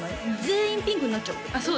全員ピンクになっちゃうってこと？